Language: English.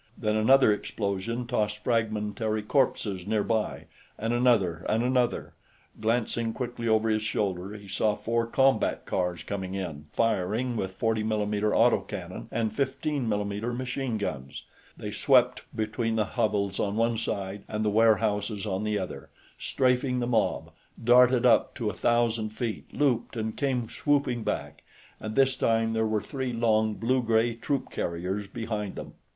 Then another explosion tossed fragmentary corpses nearby, and another and another. Glancing quickly over his shoulder, he saw four combat cars coming in, firing with 40 mm auto cannon and 15 mm machine guns. They swept between the hovels on one side and the warehouses on the other, strafing the mob, darted up to a thousand feet, looped, and came swooping back, and this time there were three long blue gray troop carriers behind them.